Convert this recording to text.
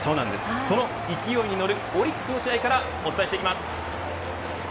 その勢いに乗るオリックスの試合からお伝えします。